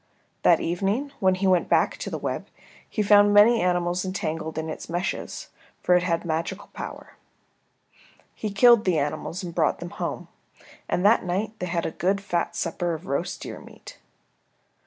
That evening when he went back to the web he found many animals entangled in its meshes, for it had magical power. He killed the animals and brought them home, and that night they had a good fat supper of roast deer meat.